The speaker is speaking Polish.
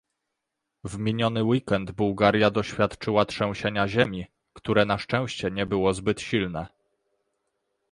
W miniony weekend Bułgaria doświadczyła trzęsienia ziemi, które na szczęście nie było zbyt silne